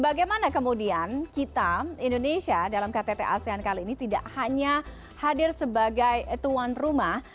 bagaimana kemudian kita indonesia dalam ktt asean kali ini tidak hanya hadir sebagai tuan rumah